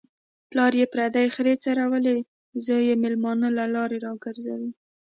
پلار یې پردۍ خرې خرڅولې، زوی یې مېلمانه له لارې را گرځوي.